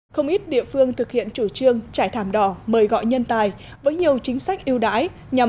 không ít địa phương thực hiện chủ trương trải thảm đỏ mời gọi nhân tài với nhiều chính sách yêu đãi nhằm